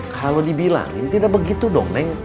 kalau dibilang tidak begitu dong neng